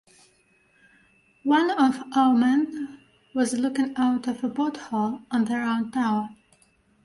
One of our men was looking out of a porthole on the round tower.